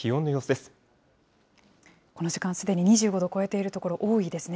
この時間すでに２５度を超えているところ、多いですね。